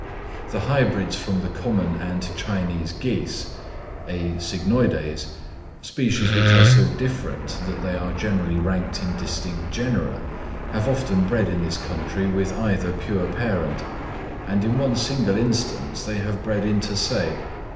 The hybrids from the common and Chinese geese (A. cygnoides), species which are so different that they are generally ranked in distinct genera, have often bred in this country with either pure parent, and in one single instance they have bred inter se.